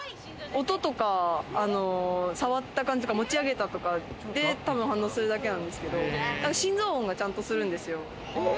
音とか触った感じとか、持ち上げたりとかで反応するだけなんですけど、心臓音がちゃんとするんですよ。